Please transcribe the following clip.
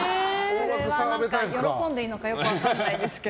喜んでいいのかよく分かんないですけど。